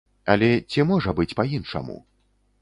Але ці можа быць па-іншаму?